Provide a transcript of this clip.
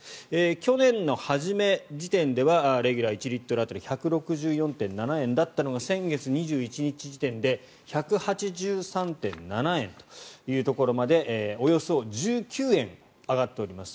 去年の初め時点ではレギュラー１リットル当たり１６４．７円だったのが先月２１日時点で１８３．７円というところまでおよそ１９円上がっております。